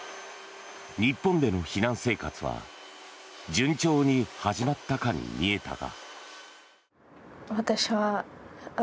日本での避難生活は順調に始まったかに見えたが。